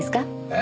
え？